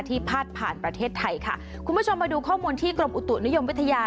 พาดผ่านประเทศไทยค่ะคุณผู้ชมมาดูข้อมูลที่กรมอุตุนิยมวิทยา